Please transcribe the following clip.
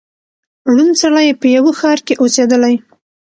ړوند سړی په یوه ښار کي اوسېدلی